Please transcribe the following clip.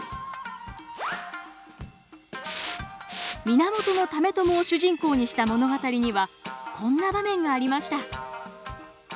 源為朝を主人公にした物語にはこんな場面がありました。